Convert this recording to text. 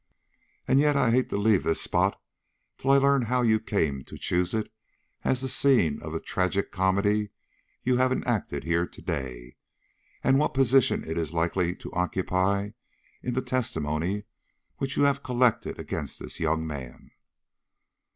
"And yet I hate to leave this spot till I learn how you came to choose it as the scene of the tragi comedy you have enacted here to day, and what position it is likely to occupy in the testimony which you have collected against this young man."